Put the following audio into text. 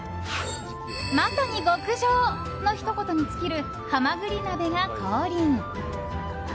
まさに極上のひと言に尽きるはまぐり鍋が降臨。